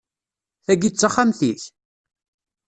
Tagi d taxxamt-ik?